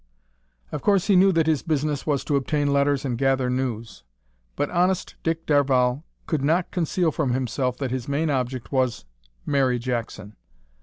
Of course he knew that his business was to obtain letters and gather news. But honest Dick Darvall could not conceal from himself that his main object was Mary Jackson!